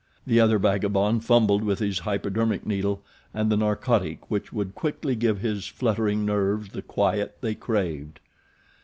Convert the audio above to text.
The other vagabond fumbled with his hypodermic needle and the narcotic which would quickly give his fluttering nerves the quiet they craved.